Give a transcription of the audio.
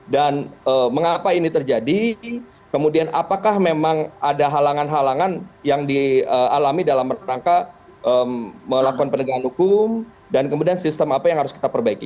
dan mengapa ini terjadi kemudian apakah memang ada halangan halangan yang dialami dalam rangka melakukan penegangan hukum dan kemudian sistem apa yang harus kita perbaiki